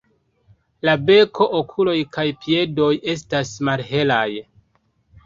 La beko, okuloj kaj piedoj estas malhelaj.